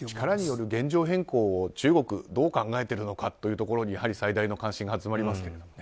力による現状変更を中国がどう考えているのかというところに最大の関心が集まりますね。